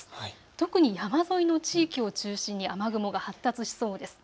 特に山沿いの地域を中心に雨雲が発達しそうです。